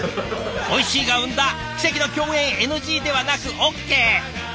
おいしいが生んだ奇跡の共演ＮＧではなくＯＫ！